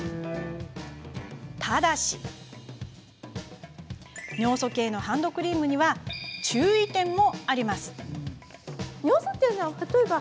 ただし、尿素系のハンドクリームには注意点も。